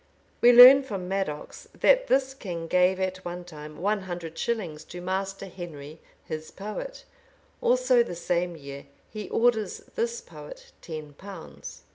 We learn from Madox,[] that this king gave at one time one hundred shillings to Master Henry, his poet; also the same year he orders this poet ten pounds.